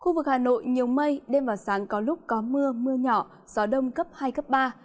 khu vực hà nội nhiều mây đêm và sáng có lúc có mưa mưa nhỏ gió đông cấp hai cấp ba